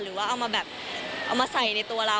หรือว่าเอามาแบบเอามาใส่ในตัวเรา